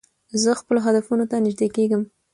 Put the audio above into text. زه خپلو هدفونو ته نژدې کېږم.